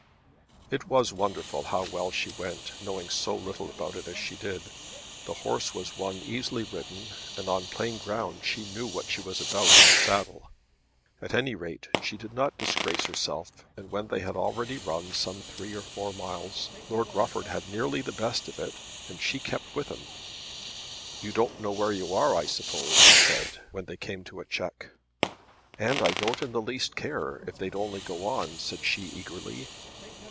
It was wonderful how well she went, knowing so little about it as she did. The horse was one easily ridden, and on plain ground she knew what she was about in a saddle. At any rate she did not disgrace herself and when they had already run some three or four miles Lord Rufford had nearly the best of it and she had kept with him. "You don't know where you are I suppose," he said when they came to a check. "And I don't in the least care, if they'd only go on," said she eagerly.